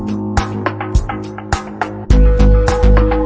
วิ่งเร็วมากครับ